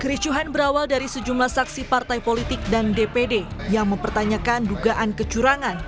kericuhan berawal dari sejumlah saksi partai politik dan dpd yang mempertanyakan dugaan kecurangan